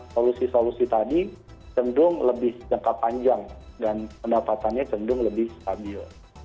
solusi tadi cendung lebih jangka panjang dan pendapatannya cendung lebih stabil